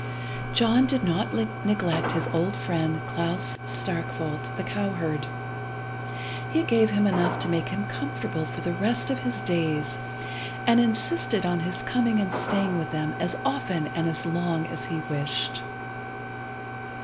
John did not neglect his old friend Klas Starkwolt, the cowherd. He gave him enough to make him comfortable for the rest of his days, and insisted on his coming and staying with him as often and as long as he wished.